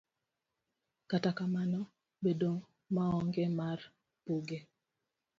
Kata kamano, bedo maonge mar buge